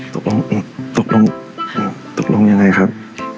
ตกลงยังไงครับ